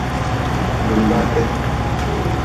Jumbaate.